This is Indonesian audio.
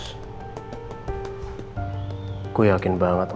aku yakin banget